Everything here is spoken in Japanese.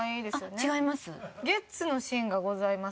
違います。